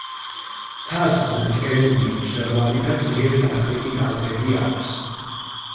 მთას მობრტყელებული მწვერვალი და ძლიერ დახრილი კალთები აქვს.